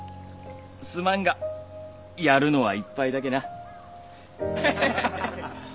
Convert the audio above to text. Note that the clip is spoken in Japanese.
すまんがやるのは１杯だけな。